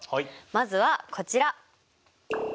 まずはこちら。